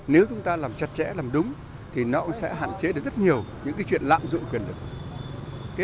nếu chúng ta làm chặt chẽ làm đúng thì nó cũng sẽ hạn chế được rất nhiều những cái chuyện lạm dụng quyền lực